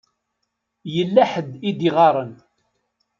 Yella ḥedd i d-iɣaṛen.